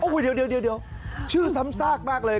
เดี๋ยวชื่อซ้ำซากมากเลย